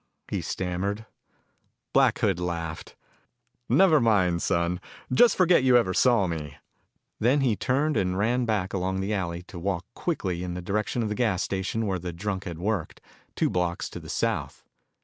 he stammered. Black Hood laughed. "Never mind, son. Just forget you ever saw me." Then he turned and ran back along the alley to walk quickly in the direction of the gas station where the drunk had worked, two blocks to the south.